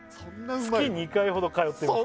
「月２回ほど通っています」